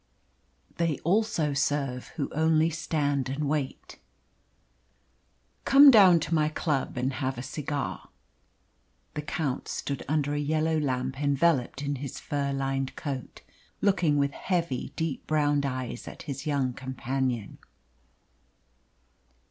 They also serve who only stand and wait. "Come down to my club and have a cigar!" The Count stood under a yellow lamp enveloped in his fur lined coat, looking with heavy, deep browed eyes at his young companion.